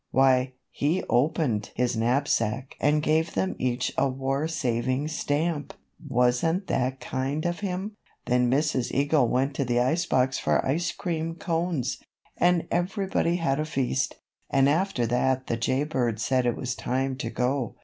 Why, he opened his knapsack and gave them each a War Saving Stamp. Wasn't that kind of him? Then Mrs. Eagle went to the ice box for ice cream cones, and everybody had a feast, and after that the Jay Bird said it was time to go.